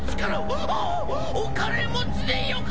ああお金持ちでよかった！